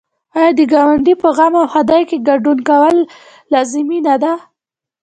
آیا د ګاونډي په غم او ښادۍ کې ګډون لازمي نه دی؟